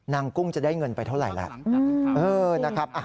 นางกุ้งจะได้เงินไปเท่าไหร่ล่ะ